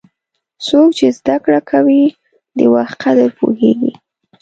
څوک چې زده کړه کوي، د وخت قدر پوهیږي.